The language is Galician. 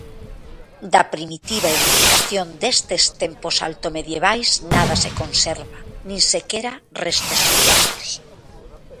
Da primitiva edificación destes tempos altomedievais nada se conserva, nin sequera restos illados.